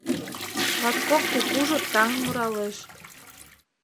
Латкок кукужо таҥ муралеш.